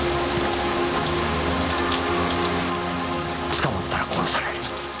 捕まったら殺される。